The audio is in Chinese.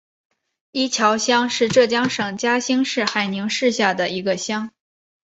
伊桥乡是浙江省嘉兴市海宁市下的一个乡。